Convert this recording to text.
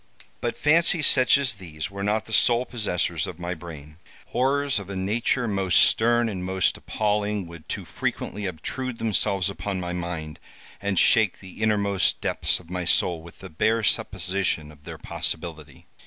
But fancies such as these were not the sole possessors of my brain. Horrors of a nature most stern and most appalling would too frequently obtrude themselves upon my mind, and shake the innermost depths of my soul with the bare supposition of their possibility.